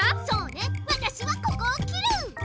そうねわたしはここをきる！